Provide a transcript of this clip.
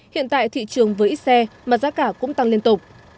hiện tại thị trường với ít xe mà giá cả cũng tăng liên tục